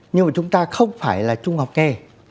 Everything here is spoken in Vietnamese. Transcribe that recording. nhưng mà chúng ta không phải là trung học nghề